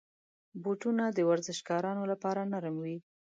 بوټونه د ورزشکارانو لپاره نرم وي.